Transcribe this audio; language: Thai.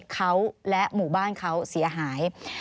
เขาและหมู่บ้านเขาเสียหาย